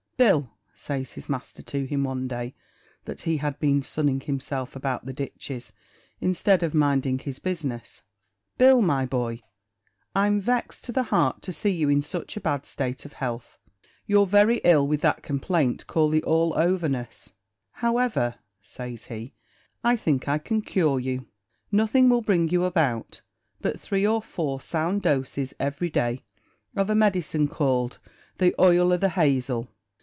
"Bill," says his master to him one day that he had been sunning himself about the ditches, instead of minding his business, "Bill, my boy, I'm vexed to the heart to see you in such a bad state of health. You're very ill with that complaint called an All overness; however," says he, "I think I can cure you. Nothing will bring you about but three or four sound doses every day of a medicine called 'the oil o' the hazel.'